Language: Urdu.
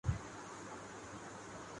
آئی بیکس کوہ ایلپس کا بکرا